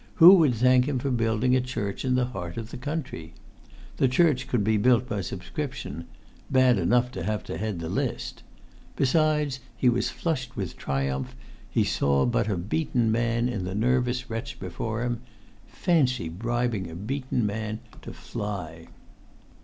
Who would thank him for building a church in the heart of the country? The church could be built by subscription; bad enough to have to head the list. Besides, he was flushed with triumph; he saw but a beaten man in the nervous wretch before him. Fancy bribing a beaten man to fly!